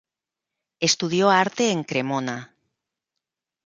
Estudió arte en Cremona.